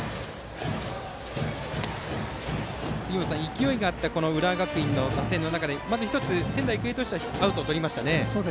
勢いがあった浦和学院の打線の中でまず１つ、仙台育英としてはアウトをとりました。